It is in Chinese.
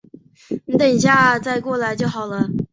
你等一下再回来就好了